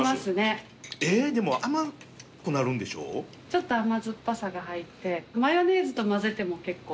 ちょっと甘酸っぱさが入ってマヨネーズと混ぜても結構。